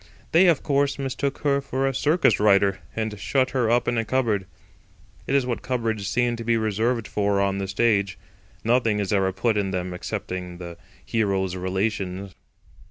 They, of course, mistook her for a circus rider, and shut her up in a cupboard. It is what cupboards seem to be reserved for on the stage. Nothing is ever put in them excepting the hero's relations.